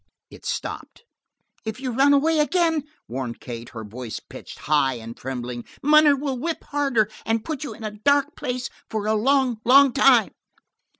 It stopped. "If you run away again," warned Kate, her voice pitched high and trembling, "munner will whip harder, and put you in a dark place for a long, long time."